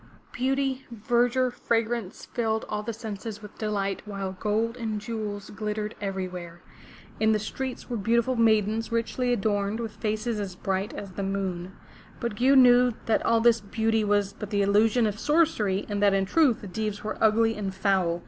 Beauty, verdure, fragrance filled all the senses with delight while gold and jewels glittered everywhere. In the streets were beautiful maidens richly adorned, with faces as bright as the moon. But Gew knew that all this beauty was but the illusion of sorcery and that in truth the Deevs were ugly and foul.